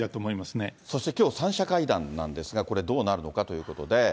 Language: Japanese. そしてきょう３者会談なんですが、これどうなるのかということで。